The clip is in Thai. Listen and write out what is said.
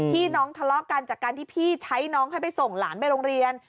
ที่น้องทะเลาะกันจากการที่พี่ใช้น้องให้ไปส่งหลานไปโรงเรียน